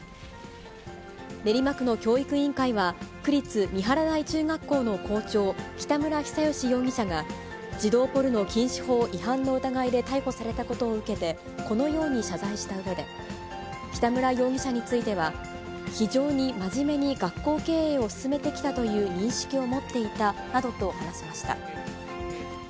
練馬区の教育委員会は、区立三原台中学校の校長、北村比左嘉容疑者が児童ポルノ禁止法違反の疑いで逮捕されたことを受けて、このように謝罪したうえで、北村容疑者については、非常に真面目に学校経営を進めてきたという認識を持っていたなどと話しました。